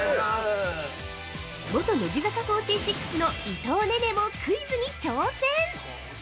◆元乃木坂４６の伊藤寧々もクイズに挑戦！